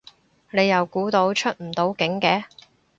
你又估到出唔到境嘅